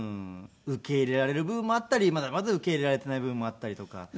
受け入れられる部分もあったりまだまだ受け入れられていない部分もあったりとか。